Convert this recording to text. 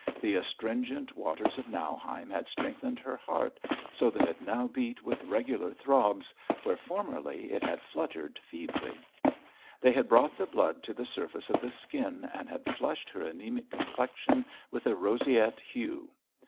The astringent waters of Nauheim had strengthened her heart, so that it now beat with regular throbs, where formerly it had fluttered feebly; they had brought the blood to the surface of the skin, and had flushed her anæmic complexion with a roseate hue.